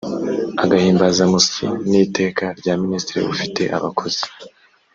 agahimbazamusyi n iteka rya minisitiri ufite abakozi